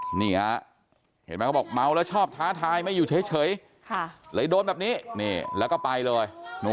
ที่จะบอกเบาและชอบท้าทายไม่อยู่เฉยเดินแบบนี้แล้วก็ไปเลย